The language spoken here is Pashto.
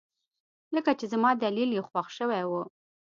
لکه چې زما دليل يې خوښ شوى و.